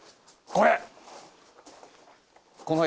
これ。